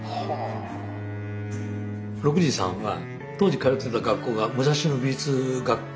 禄二さんは当時通ってた学校が武蔵野美術学校